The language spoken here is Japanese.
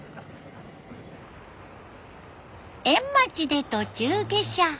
円町で途中下車。